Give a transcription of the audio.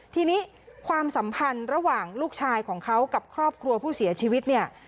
ทีนี้ความสัมพันธ์ระหว่างลูกชายของเขากับครอบครัวผู้เสียชีวิตเนี่ย